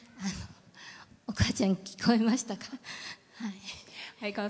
お母ちゃん、聴こえましたか。